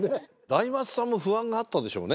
大松さんも不安があったでしょうね。